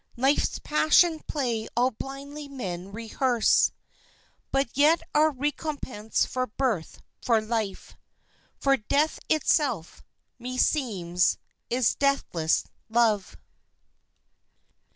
Life's Passion Play all blindly men rehearse.... But yet our recompense for birth, for life, For death itself, meseems, is deathless Love!